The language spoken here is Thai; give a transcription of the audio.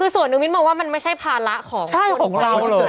ส่วนหนึ่งมิทข์บอกว่ามันไม่ใช่ภาระของต้นเตรียม